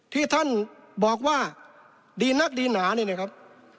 ที่ท่านบอกว่าดีนักดีหนาเนี่ยนะครับ